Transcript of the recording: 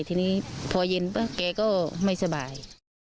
ที่นี่พอเย็นแกก็ไม่สบาย